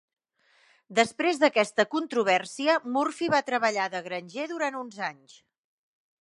Després d'aquesta controvèrsia, Murphy va treballar de granger durant uns anys.